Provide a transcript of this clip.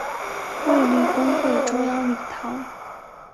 卫理公会中央礼堂。